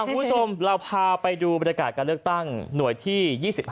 คุณสมเราพาไปดูบริการการเลือกตั้งหน่วยที่๒๕๒๙